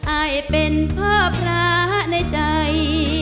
อายเป็นพ่อพระในใจ